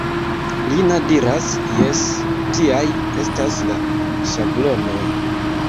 Lina diras, Jes, tiaj estas la ŝablonoj.